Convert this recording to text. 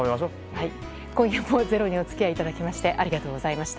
今夜も「ｚｅｒｏ」にお付き合いいただきましてありがとうございました。